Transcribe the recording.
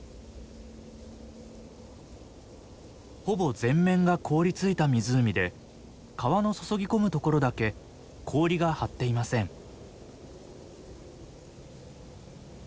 ほぼ全面が凍りついた湖で川の注ぎ込むところだけ氷が張っていません。